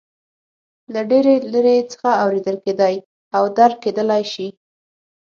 له ډېرې لرې څخه اورېدل کېدای او درک کېدلای شي.